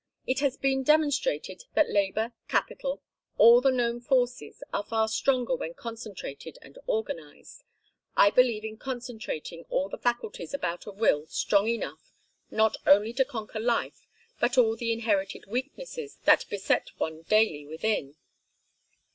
It has been demonstrated that labor, capital, all the known forces, are far stronger when concentrated and organized. I believe in concentrating all the faculties about a will strong enough not only to conquer life but all the inherited weaknesses that beset one daily within.